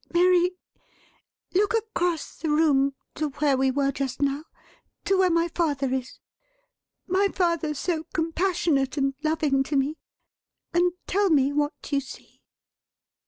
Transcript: Mary, look across the room to where we were just now; to where my father is my father, so compassionate and loving to me and tell me what you see."